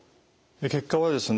結果はですね